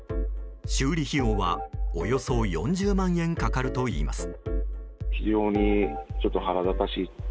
修理費用はおよそ４０万円かかるといいます。